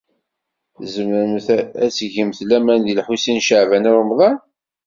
Tzemremt ad tgemt laman deg Lḥusin n Caɛban u Ṛemḍan.